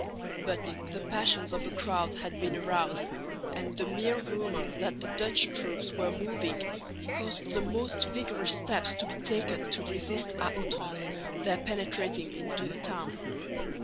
But the passions of the crowd had been aroused, and the mere rumour that the Dutch troops were moving caused the most vigorous steps to be taken to resist à outrance their penetrating into the town.